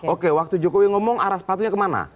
oke waktu jokowi ngomong arah sepatunya kemana